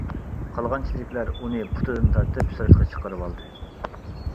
قالغان چېرىكلەر ئۇنى پۇتىدىن تارتىپ سىرتقا چىقىرىۋالدى.